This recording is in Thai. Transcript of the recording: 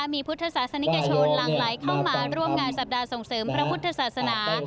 มีพุทธศาสนิกชนหลังไหลเข้ามาร่วมงานสัปดาห์ส่งเสริมพระพุทธศาสนา